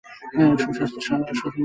সুসংবাদ, স্যার।